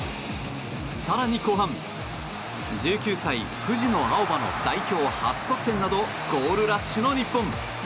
更に後半１９歳、藤野あおばの代表初得点などゴールラッシュの日本。